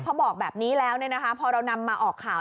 พอบอกแบบนี้แล้วพอเรานำมาออกข่าว